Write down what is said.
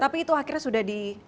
tapi itu akhirnya sudah di